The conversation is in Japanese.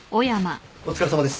お疲れさまです。